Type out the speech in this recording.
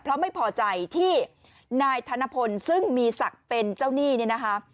เพราะไม่พอใจที่นายธนพลซึ่งมีศักดิ์เป็นเจ้าหนี้เนี่ยนะคะ